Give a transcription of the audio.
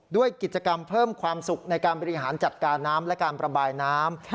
ด้วยกิจกรรมเพิ่มความสุขในการบริหารจัดการน้ำและการประบายน้ำ